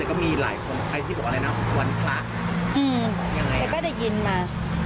ก็มีหลายคนใครที่บอกอะไรนะวันพระอืมยังไงแต่ก็ได้ยินมา